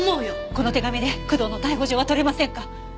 この手紙で工藤の逮捕状は取れませんか？